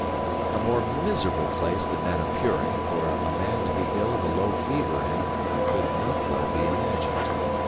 A more miserable place than Manapuri for a man to be ill of a low fever in could not well be imagined.